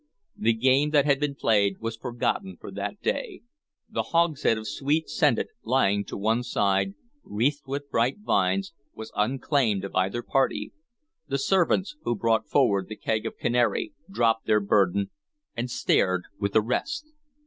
The game that had been played was forgotten for that day. The hogshead of sweet scented, lying to one side, wreathed with bright vines, was unclaimed of either party; the servants who brought forward the keg of canary dropped their burden, and stared with the rest.